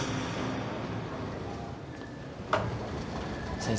先生。